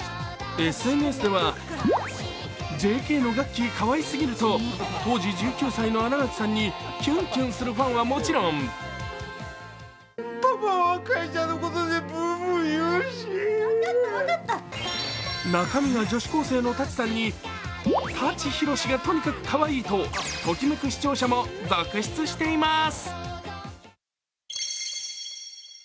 ＳＮＳではＪＫのガッキーかわいすぎると、１９歳の新垣さんにキュンキュンするファンはもちろん中身が女子高生の舘さんに、舘ひろしがとにかくかわいい、とときめく視聴者も続出しています。